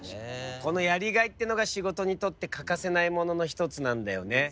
このやりがいっていうのが仕事にとって欠かせないものの一つなんだよね。